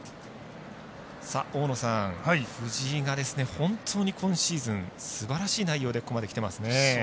藤井が本当に今シーズンすばらしい内容でここまできていますね。